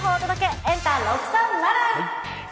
エンタ６３０。